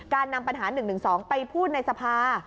การนำปัญหา๑๑๒ไปพูดในสภา